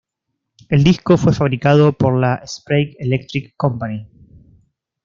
El disco fue fabricado por la Sprague Electric Company.